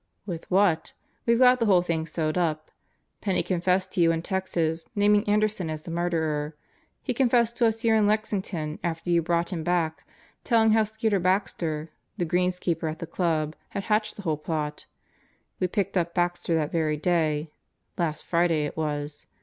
"With what? We've got the whole thing sewed up. Penney confessed to you in Texas, naming Anderson as the murderer. He confessed to us here in Lexington after you brought him back, telling how Skeeter Baxter, the greenskeeper at the Club, had hatched the whole plot. ... We picked up Baxter that very day last Friday it was.